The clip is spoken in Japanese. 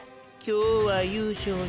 今日は優勝した。